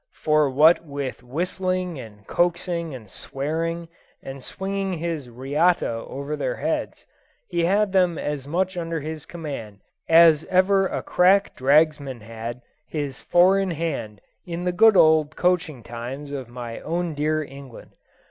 For what with whistling, and coaxing, and swearing, and swinging his "riatta" over their heads, he had them as much under his command as ever a crack dragsman had his four in hand in the good old coaching times of my own dear England.